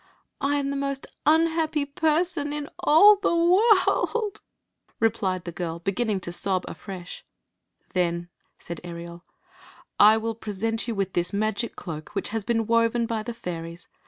" I am the most unhappy person in all the world !" replied the girl, beginning to sob afresh. " Then," said Ereol, " I will present you with this magic cloak, which has been woven by the fairies.